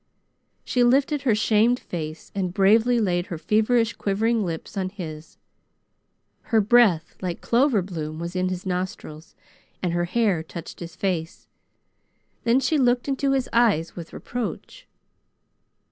She lifted her shamed face and bravely laid her feverish, quivering lips on his. Her breath, like clover bloom, was in his nostrils, and her hair touched his face. Then she looked into his eyes with reproach.